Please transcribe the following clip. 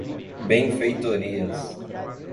benfeitorias